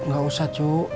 gak usah cu